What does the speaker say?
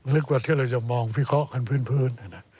ลึกกว่าที่เราจะมองวิเคราะห์กันพื้น